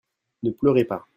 ne pleurez pas.